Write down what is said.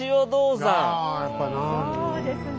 そうですね。